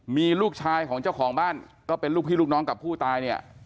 มีลูกชายของเจ้าของบ้านก็เป็นลูกพี่ลูกน้องกับผู้ตายเนี่ย